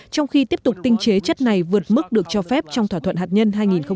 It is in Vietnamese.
trong khi tiếp tục tinh chế chất này vượt mức được cho phép trong thỏa thuận hạt nhân hai nghìn một mươi năm